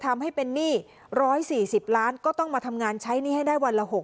ทำให้เป็นหนี้๑๔๐ล้านก็ต้องมาทำงานใช้หนี้ให้ได้วันละ๖๐